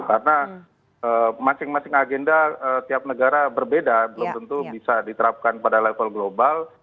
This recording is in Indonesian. karena masing masing agenda tiap negara berbeda belum tentu bisa diterapkan pada level global